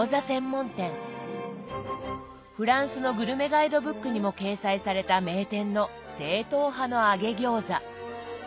フランスのグルメガイドブックにも掲載された名店の正統派の揚げ餃子。